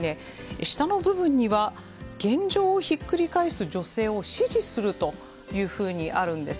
下の部分には現状をひっくり返す女性を支持するというふうにあるんです。